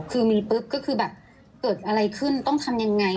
คือมีปุ๊บก็คือแบบเกิดอะไรขึ้นต้องทำยังไง